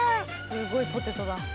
すごいポテトだ。